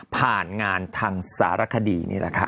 ผ่านงานทางสารคดี